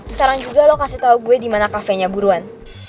sekarang juga lo kasih tau gue di mana kafenya buruan